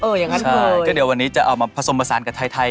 อย่างนั้นเลยก็เดี๋ยววันนี้จะเอามาผสมผสานกับไทยไทย